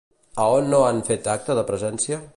A on no han fet acte de presència?